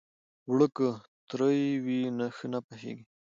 اوړه که ترۍ وي، ښه نه پخېږي